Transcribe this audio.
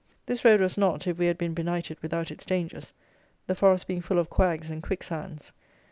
This road was not, if we had been benighted, without its dangers, the forest being full of quags and quicksands.